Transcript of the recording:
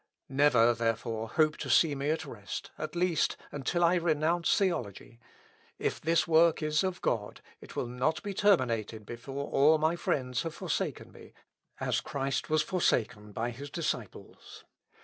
Never, therefore, hope to see me at rest, at least, until I renounce theology. If this work is of God, it will not be terminated before all my friends have forsaken me, as Christ was forsaken by his disciples.